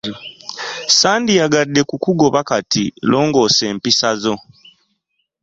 Sandiygadde kukugoba kati, longoosa empisazo.